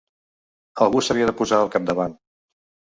Algú s’havia de posar al capdavant.